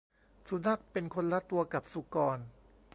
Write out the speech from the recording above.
สุนัขเป็นคนละตัวกับสุกร